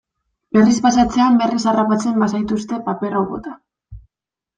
Berriz pasatzean berriz harrapatzen bazaituzte, paper hau bota.